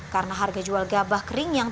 karena harga jual gabah kering yang tersisa